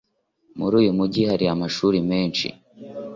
Muri uyu mujyi hari amashuri menshi